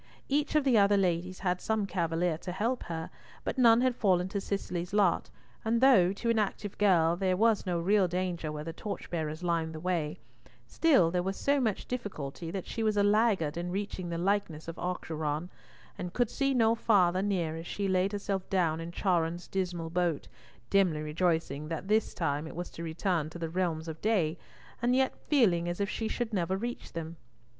Each of the other ladies had some cavalier to help her, but none had fallen to Cicely's lot, and though, to an active girl, there was no real danger where the torchbearers lined the way, still there was so much difficulty that she was a laggard in reaching the likeness of Acheron, and could see no father near as she laid herself down in Charon's dismal boat, dimly rejoicing that this time it was to return to the realms of day, and yet feeling as if she should never reach them.